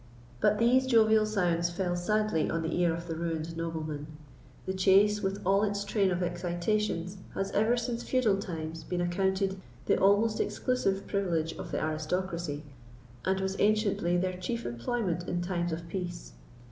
But these jovial sounds fell sadly on the ear of the ruined nobleman. The chase, with all its train of excitations, has ever since feudal times been accounted the almost exclusive privilege of the aristocracy, and was anciently their chief employment in times of peace.